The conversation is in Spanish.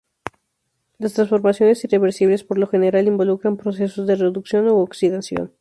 Las transformaciones irreversibles por lo general involucran procesos de reducción u oxidación.